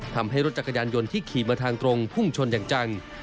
ทำให้รถจักรยานยนต์ที่ขี่มาทางตรงพุ่งชนอย่างจัง